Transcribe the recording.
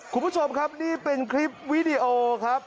คุณผู้ชมครับนี่เป็นคลิปวิดีโอครับ